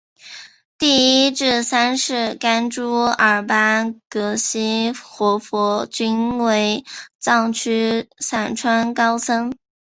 第一至三世甘珠尔巴格西活佛均为藏区散川高僧。